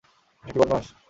এটা কি, বদমাস?